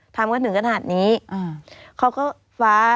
ทำกันถึงขนาดนี้เขาก็ฟ้า